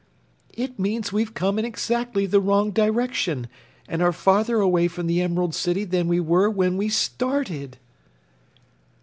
"It means we've come in exactly the wrong direction and are farther away from the Emerald City than we were when we started."